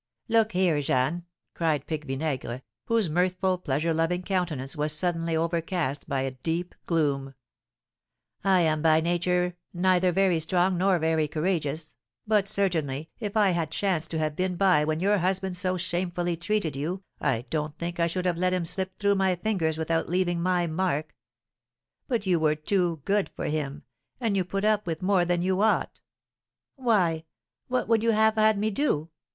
"Look here, Jeanne!" cried Pique Vinaigre, whose mirthful, pleasure loving countenance was suddenly overcast by a deep gloom; "I am by nature neither very strong nor very courageous; but, certainly, if I had chanced to have been by when your husband so shamefully treated you, I don't think I should have let him slip through my fingers without leaving my mark. But you were too good for him, and you put up with more than you ought!" "Why, what would you have had me do?